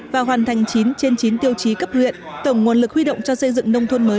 và hoàn thành chín trên chín tiêu chí cấp huyện tổng nguồn lực huy động cho xây dựng nông thôn mới